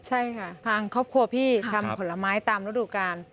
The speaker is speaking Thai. ใช่ค่ะทางครอบครัวพี่ทำผลไม้ตามฤดูกาล